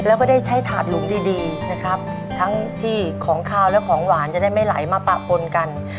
แล้วก็ได้ใช้ถาดหลุมดีดีนะครับทั้งที่ของขาวและของหวานจะได้ไม่ไหลมาปะปนกัน